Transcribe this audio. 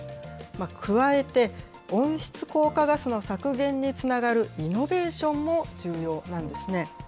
加えて、温室効果ガスの削減につながるイノベーションも重要なんですね。